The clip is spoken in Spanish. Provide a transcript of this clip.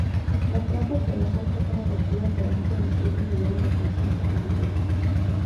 Las trampas pegajosas son atractivas para muchas especies y deben reemplazarse con frecuencia.